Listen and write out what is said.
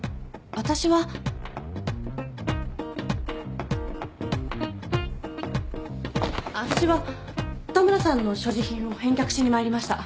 私は田村さんの所持品を返却しに参りました。